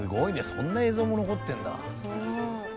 そんな映像も残ってるんだ。